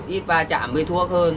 ít ba chạm với thuốc hơn